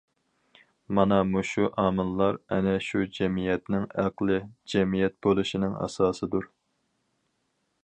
مانا مۇشۇ ئامىللار ئەنە شۇ جەمئىيەتنىڭ ئەقلىي جەمئىيەت بولۇشىنىڭ ئاساسىدۇر.